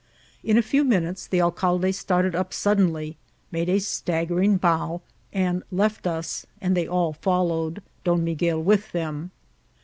In a few minutes the alcalde started iq> suddenly, made a staggering bow, and left as, and they all followed, D<m Miguel widi them.